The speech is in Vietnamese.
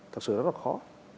thật sự rất là khó